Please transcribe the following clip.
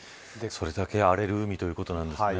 それだけ荒れる海ということなんですね。